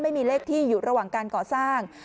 ไม่มีเลขที่อยู่ระหว่างการก่อสร้าง